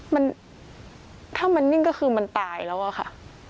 มันถ้ามันนิ่งก็คือมันตายแล้วอะค่ะ